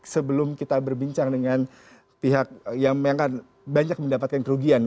sebelum kita berbincang dengan pihak yang banyak mendapatkan kerugian